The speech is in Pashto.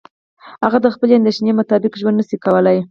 هغه د خپلې اندیشې مطابق ژوند نشي کولای.